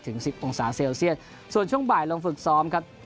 สิบองศาเซลเซียตส่วนช่วงบ่ายลงฝึกซ้อมครับ